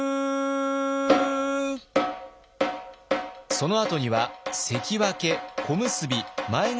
そのあとには関脇小結前頭と続きます。